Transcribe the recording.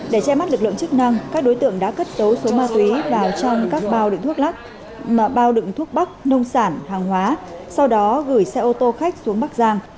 để che mắt lực lượng chức năng các đối tượng đã cất số ma túy vào trong các bao đựng thuốc lắc bao đựng thuốc bắc nông sản hàng hóa sau đó gửi xe ô tô khách xuống bắc giang